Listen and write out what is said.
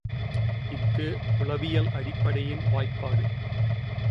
இஃது உளவியல் அடிப்படையின் வாய்ப்பாடு.